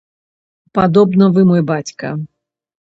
Падобна, вы мой бацька.